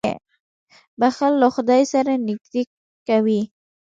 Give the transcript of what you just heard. • بښل له خدای سره نېږدې کوي.